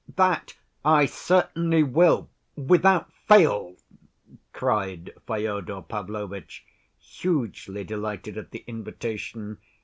"That I certainly will, without fail," cried Fyodor Pavlovitch, hugely delighted at the invitation.